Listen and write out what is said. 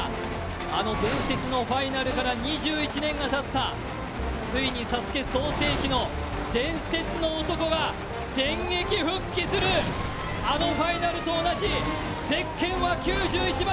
あの伝説のファイナルから２１がたったついにＳＡＳＵＫＥ創成期の伝説の男が電撃復帰する、あのファイナルと同じぜっけんは９１番。